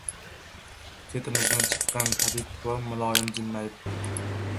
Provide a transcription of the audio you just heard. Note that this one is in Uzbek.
ketimizdan chiqqan tabib buva muloyim jilmayib.